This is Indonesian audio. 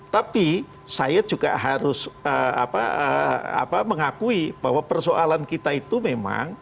tapi saya juga harus mengakui bahwa persoalan kita itu memang